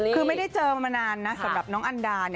คือไม่ได้เจอมานานนะสำหรับน้องอันดา